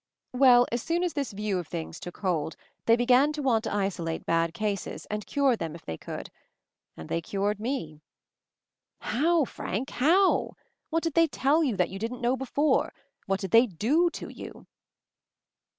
"Well, as soon as this view of things took hold, they began to want to isolate bad cases, and cure them if they could. And they cured me." MOVING THE MOUNTAIN 249 "How, Frank— how? What did they tell you that you didn't know before? What did they do to you?"